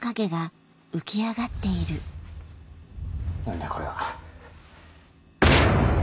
何だこれは。